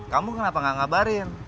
kamu kenapa gak ngabarin